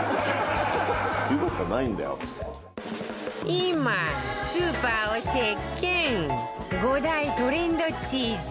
今スーパーを席巻５大トレンドチーズ